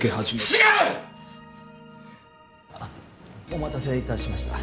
お待たせいたしました